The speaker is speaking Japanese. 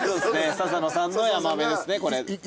笹野さんのヤマメですねこれ。